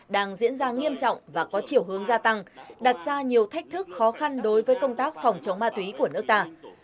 đang diễn ra nghiêm trọng và có chiều hướng gia tăng đặt ra nhiều thách thức khó khăn đối với công tác phòng chống ma túy của nước ta